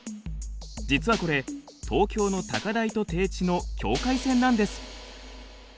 実はこれ東京の高台と低地の境界線なんです。